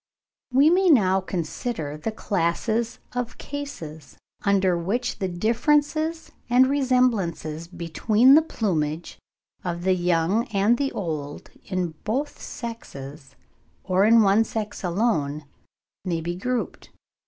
We may now consider the classes of cases, under which the differences and resemblances between the plumage of the young and the old, in both sexes or in one sex alone, may be grouped.